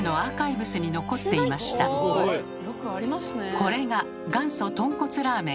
これが元祖とんこつラーメン。